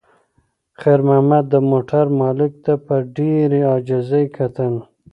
خیر محمد د موټر مالک ته په ډېرې عاجزۍ کتل.